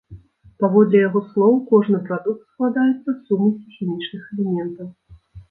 Паводле яго слоў, кожны прадукт складаецца з сумесі хімічных элементаў.